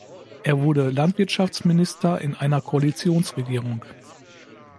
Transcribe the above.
Er wurde Landwirtschaftsminister in einer Koalitionsregierung.